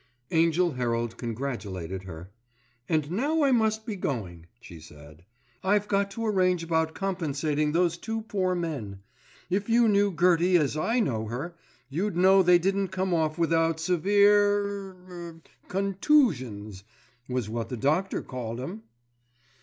Angell Herald congratulated her. "And now I must be going," she said, "I've got to arrange about compensating those two poor men. If you knew Gertie as I know her, you'd know they didn't come off without severe er—er—contoosions, was what the doctor called 'em."